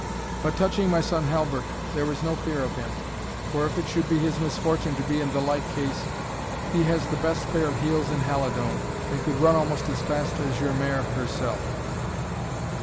But touching my son Halbert, there is no fear of him; for if it should be his misfortune to be in the like case, he has the best pair of heels in Halidome, and could run almost as fast as your mare herself."